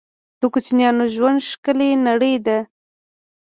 د کوچنیانو ژوند ښکلې نړۍ ده